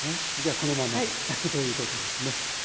じゃこのままでということですね。